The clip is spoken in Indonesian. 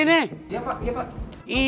iya pak iya pak